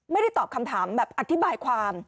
ไม่ได้ตอบคำถามแบบอธิบายความ